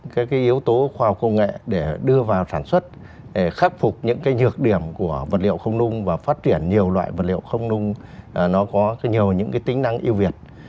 các yếu tố khoa học công nghệ để đưa vào sản xuất để khắc phục những nhược điểm của vật liệu không nung và phát triển nhiều loại vật liệu không nung có nhiều tính năng yêu việt